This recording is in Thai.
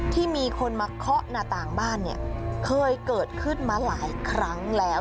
ที่มีคนมาเคาะหน้าต่างบ้านเนี่ยเคยเกิดขึ้นมาหลายครั้งแล้ว